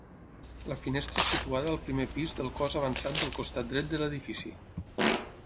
La finestra situada al primer pis del cos avançat del costat dret de l'edifici.